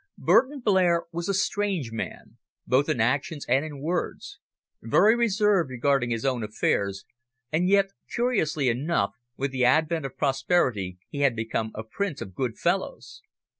Burton Blair was a strange man, both in actions and in words, very reserved regarding his own affairs, and yet, curiously enough, with the advent of prosperity he had become a prince of good fellows.